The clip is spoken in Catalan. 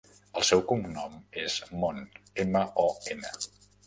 El seu cognom és Mon: ema, o, ena.